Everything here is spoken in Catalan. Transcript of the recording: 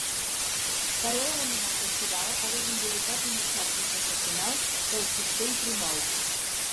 Paral·lelament al festival, ha desenvolupat una xarxa internacional que el sosté i promou.